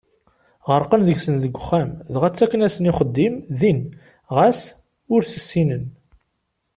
Ɣerqen deg-sen deg uxxam, dɣa ttaken-asen ixeddim din ɣas ur s-ssinen.